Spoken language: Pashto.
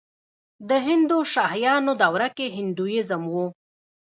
د هندوشاهیانو دوره کې هندویزم و